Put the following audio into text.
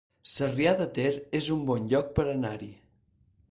Sarrià de Ter es un bon lloc per anar-hi